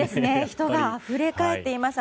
人があふれ返っています。